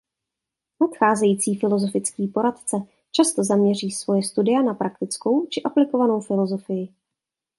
Nadcházející filozofický poradce často zaměří svoje studia na praktickou či aplikovanou filozofii.